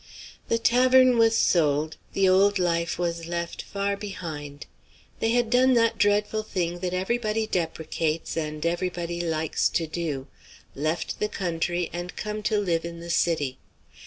The tavern was sold. The old life was left far behind. They had done that dreadful thing that everybody deprecates and everybody likes to do left the country and come to live in the city.